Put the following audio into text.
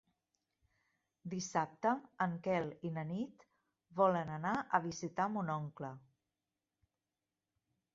Dissabte en Quel i na Nit volen anar a visitar mon oncle.